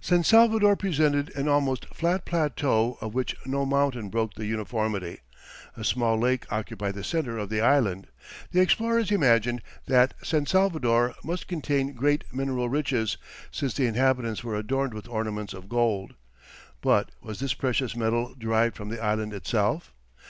San Salvador presented an almost flat plateau of which no mountain broke the uniformity; a small lake occupied the centre of the island. The explorers imagined that San Salvador must contain great mineral riches, since the inhabitants were adorned with ornaments of gold. But was this precious metal derived from the island itself?